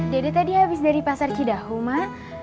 dede tadi habis dari pasar cidaho mak